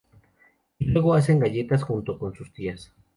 Y luego hacen galletas junto con sus tías.